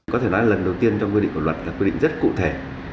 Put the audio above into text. có thể nói lần đầu tiên trong quy định của luật là quy định rất cụ thể